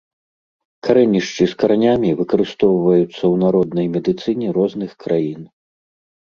Карэнішчы з каранямі выкарыстоўваюцца ў народнай медыцыне розных краін.